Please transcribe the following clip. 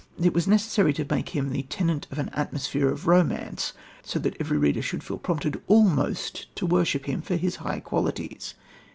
It was necessary to make him ... the tenant of an atmosphere of romance, so that every reader should feel prompted almost to worship him for his high qualities.